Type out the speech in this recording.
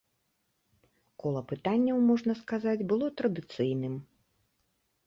Кола пытанняў, можна сказаць, было традыцыйным.